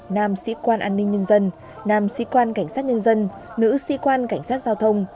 nam sĩ quan an ninh nhân dân nam sĩ quan cảnh sát nhân dân nữ sĩ quan cảnh sát giao thông